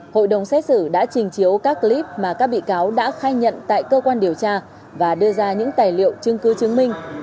hội đồng xét xử đã trình chiếu các clip mà các bị cáo đã khai nhận tại cơ quan điều tra và đưa ra những tài liệu chứng cứ chứng minh